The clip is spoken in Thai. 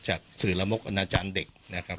จากสื่อละมกอนาจารย์เด็กนะครับ